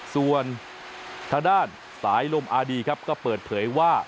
ส่วนท่านสายลมอาร์ดีก็เปิดเผยว่า